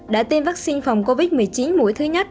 đã tiêm vaccine phòng covid một mươi chín mũi thứ nhất